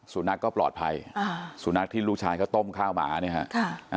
สู่นักก็ปลอดภัยสู่นักที่ลูกชายก็ต้มข้าวหมานะครับ